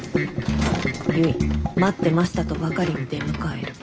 結待ってましたとばかりに出迎える」。